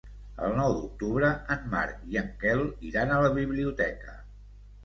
El nou d'octubre en Marc i en Quel iran a la biblioteca.